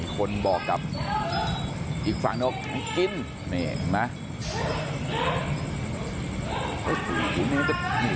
คนบอกกับอีกฝั่งเนอะอังกฤษนี่เห็นมั้ย